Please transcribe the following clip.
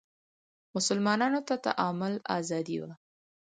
مسلمانانو ته تعامل ازادي وه